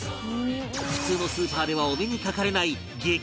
普通のスーパーではお目にかかれない激